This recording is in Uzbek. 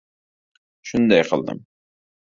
Shunday qildim.